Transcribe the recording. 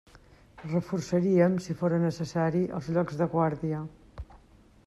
Reforçaríem, si fóra necessari, els llocs de guàrdia.